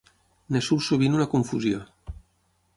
En surt sovint una confusió.